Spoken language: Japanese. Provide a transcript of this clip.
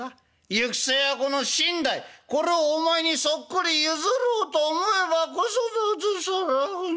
行く末はこの身代これをお前にそっくり譲ろうと思えばこそ。